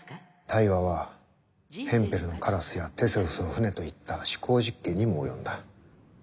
対話は「ヘンペルのカラス」や「テセウスの船」といった思考実験にも及んだ。